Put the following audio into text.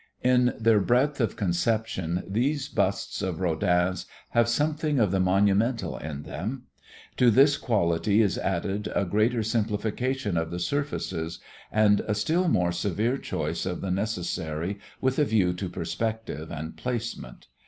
In their breadth of conception these busts of Rodin's have something of the monumental in them. To this quality is added a greater simplification of the surfaces, and a still more severe choice of the necessary with a view to perspective and placement.